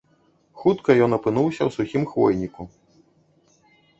Хутка ён апынуўся ў сухім хвойніку.